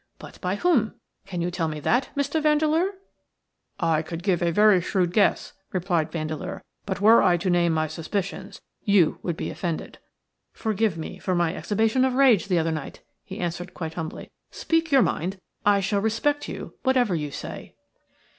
But by whom? Can you tell me that, Mr. Vandeleur?" "I could give a very shrewd guess," replied Vandeleur; "but were I to name my suspicions you would be offended." "Forgive me for my exhibition of rage the other night," he answered, quite humbly. "Speak your mind – I shall respect you whatever you say."